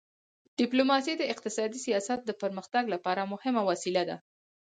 ډیپلوماسي د اقتصادي سیاست د پرمختګ لپاره مهمه وسیله ده.